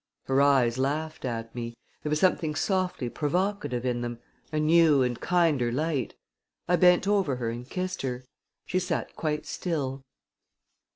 Her eyes laughed at me. There was something softly provocative in them a new and kinder light. I bent over her and kissed her. She sat quite still.